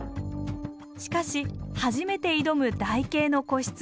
しかし初めて挑む台形の個室。